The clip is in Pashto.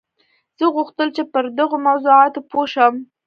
زه غوښتل چې پر دغو موضوعاتو پوه شم